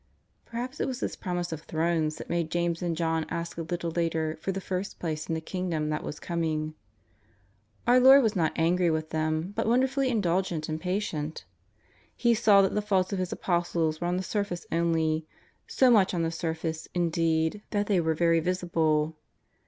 Perhaps it was this promise of thrones that made James and John ask a little later for the first place in the Kingdom that was coming. Our Lord was not angry with them, but wonderfully indulgent and pa tient. He saw that the faults of His Apostles were on the surface only, so much on the surface, indeed, that td 5 y) =: 2: 'Si THE JESUS OF NAZAEETH. 27T they were very visible.